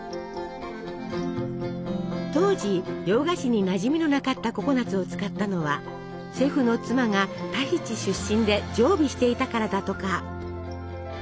当時洋菓子になじみのなかったココナツを使ったのはシェフの妻がタヒチ出身で常備していたからだとか。